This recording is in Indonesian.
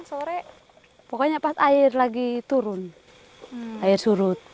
sore pokoknya pas air lagi turun air surut